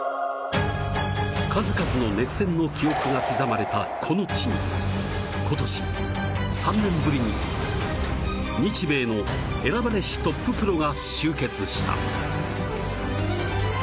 数々の熱戦の記憶が刻まれたこの地にことし、３年ぶりに日米の選ばれしトッププロが集結した。